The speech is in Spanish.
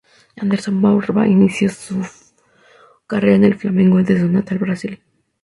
Anderson Bamba inició su carrera en el Flamengo de su natal Brasil.